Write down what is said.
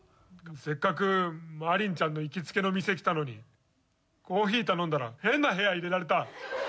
せっかくマリンちゃんの行きつけの店来たのにコーヒー頼んだら変な部屋入れられた。